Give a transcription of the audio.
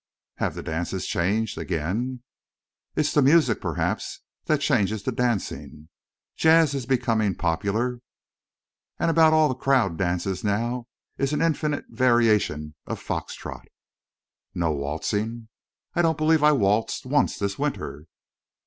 "Have the dances changed—again?" "It's the music, perhaps, that changes the dancing. Jazz is becoming popular. And about all the crowd dances now is an infinite variation of fox trot." "No waltzing?" "I don't believe I waltzed once this winter."